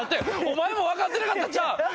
お前も分かってなかったんちゃう